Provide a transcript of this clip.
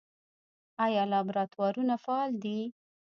آیا لابراتوارونه فعال دي؟